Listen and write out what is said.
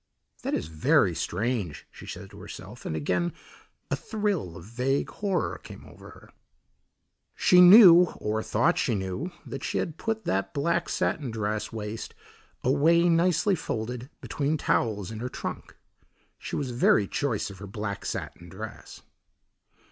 "That is very strange," she said to herself, and again a thrill of vague horror came over her. She knew, or thought she knew, that she had put that black satin dress waist away nicely folded between towels in her trunk. She was very choice of her black satin dress.